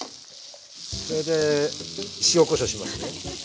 これで塩こしょうしますね。